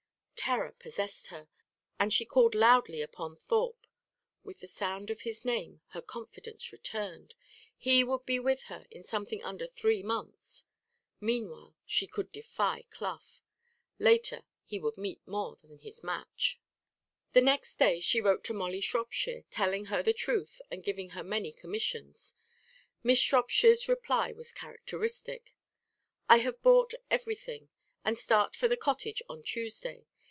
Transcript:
Terror possessed her, and she called loudly upon Thorpe. With the sound of his name, her confidence returned. He would be with her in something under three months. Meanwhile, she could defy Clough. Later, he would meet more than his match. The next day she wrote to Molly Shropshire, telling her the truth and giving her many commissions. Miss Shropshire's reply was characteristic: "I have bought everything, and start for the cottage on Tuesday.